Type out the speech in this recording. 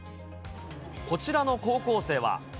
こちらの高校生は。